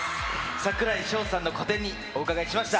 櫻井翔さんの個展にお伺いしました。